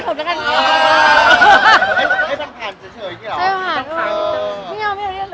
ก็ใช่ตามที่ข่าวเขียน